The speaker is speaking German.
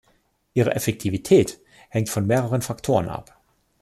Ihre Effektivität hängt von mehreren Faktoren ab.